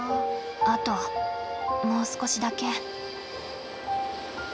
あともう少しだけ。